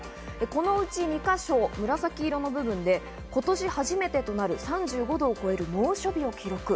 このうち２か所、紫色の部分で今年初めてとなる３５度を超える猛暑日を記録。